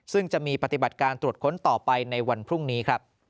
ซึ่งจะมีปฏิบัติการตรวจค้นต่อไปในวันพรุ่งนี้ครับ